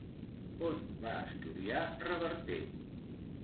On va estudiar Reverté?